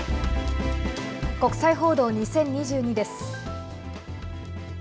国際報道２０２２です。